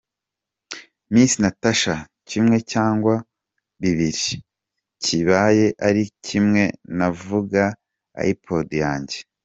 Miss Natacha : Kimwe cyangwa bibiri ? Kibaye ari kimwe navuga iPod yanjye.